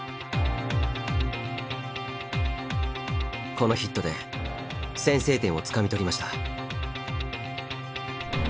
このヒットで先制点をつかみ取りました。